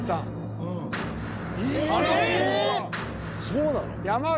そうなの？